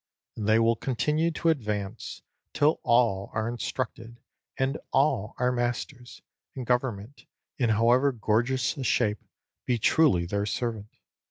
and they will continue to advance, till all are instructed, and all are masters; and government, in however gorgeous a shape, be truly their servant.